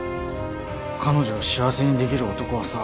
彼女を幸せにできる男はさ